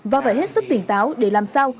và phải hết sức tỉ táo để làm sao